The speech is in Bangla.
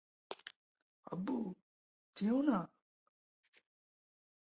আব্বু, যেয়ো না!